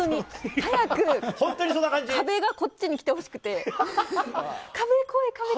早く壁がこっちに来てほしくて。